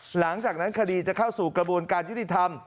หลังจากนั้นคดีจะเข้าสู่กระบวนการยุติธรรม